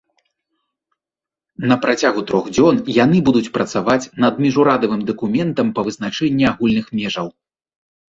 На працягу трох дзён яны будуць працаваць над міжурадавым дакументам па вызначэнні агульных межаў.